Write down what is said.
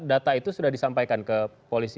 data itu sudah disampaikan ke polisi